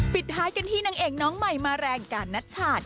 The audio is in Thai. ปิดท้ายกันที่นางเอกน้องใหม่มาแรงการนัชชาติ